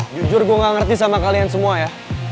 jujur gue gak ngerti sama kalian semua ya